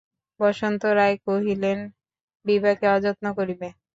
বসন্ত রায় কহিলেন, বিভাকে অযত্ন করিবে!